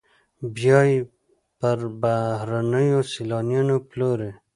بیا یې پر بهرنیو سیلانیانو پلوري